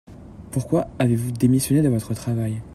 Pourquoi avez-vous démissionné de votre travail ?